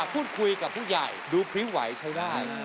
ฟงเหมือนพี่ไหมที่แบบว่า